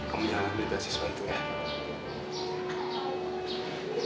kamu jangan ambil basis bantuan